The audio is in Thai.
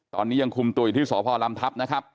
ตอนนี้ยังคุมตูยที่พ่อลำทัพนะครับ